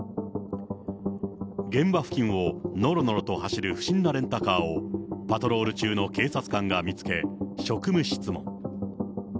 現場付近をのろのろと走る不審なレンタカーを、パトロール中の警察官が見つけ、職務質問。